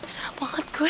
seram banget gue